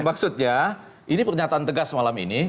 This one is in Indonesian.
maksudnya ini pernyataan tegas malam ini